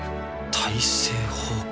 大政奉還。